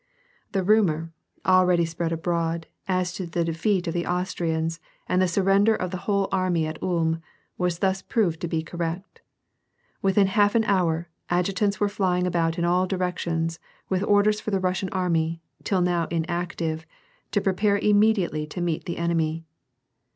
The rumor, already spread abroad, as to the defeat of the Austrians and the surrender of the whole army at Ulm, was thus proved to be correct. Within half an hour, adjutants were flying about in all directions with orders for the Russian army, till now inactive, to prepare immediately to meet the enemy.